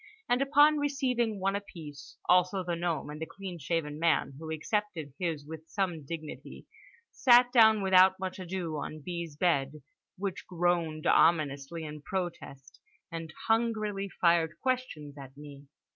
—and upon receiving one apiece (also the gnome, and the clean shaven man, who accepted his with some dignity) sat down without much ado on B.'s bed—which groaned ominously in protest—and hungrily fired questions at me.